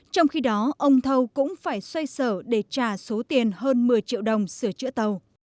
trong khi đó ông thâu cũng phải xoay sở để trả số tiền hơn một mươi triệu đồng sửa chữa tàu